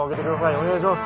お願いします